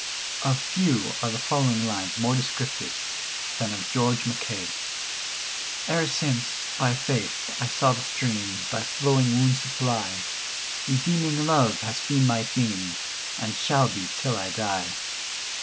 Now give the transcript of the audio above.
Of few are the following lines more descriptive than of George Mackay: "E'er since, by faith, I saw the stream Thy flowing wounds supply, Redeeming love has been my theme, And shall be till I die.